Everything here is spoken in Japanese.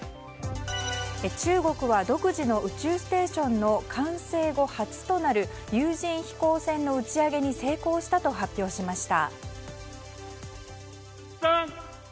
中国は独自の宇宙ステーションの完成後初となる有人飛行船の打ち上げに成功したと発表しました。